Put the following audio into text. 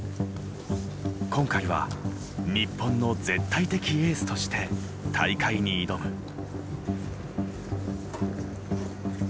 今回は日本の絶対的エースとして大会に挑む。